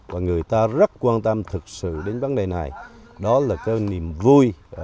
và người ta rất quan tâm thực sự đến vấn đề này đó là cái niềm vui